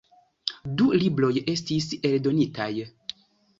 Du libroj estis eldonitaj.